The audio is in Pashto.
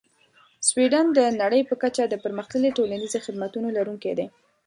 سویدن د نړۍ په کچه د پرمختللې ټولنیزې خدمتونو لرونکی دی.